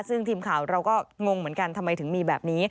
ซึ่งทีมข่าวเราก็งงเหมือนกัน